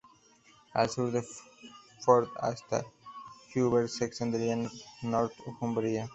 Al sur del Forth hasta el Humber se extendería Northumbria.